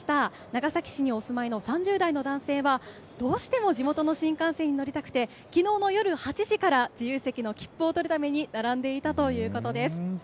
長崎市にお住まいの３０代の男性は、どうしても地元の新幹線に乗りたくて、きのうの夜８時から、自由席の切符を取るために並んでいたということです。